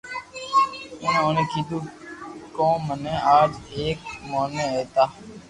اونڻي اوني ڪيدو ڪو مني آج ايڪ موٺي ايتا